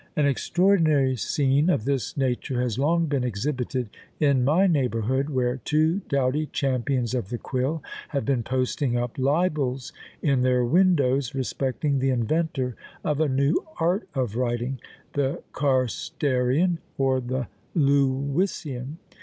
An extraordinary scene of this nature has long been exhibited in my neighbourhood, where two doughty champions of the quill have been posting up libels in their windows respecting the inventor of a new art of writing, the Carstairian, or the Lewisian?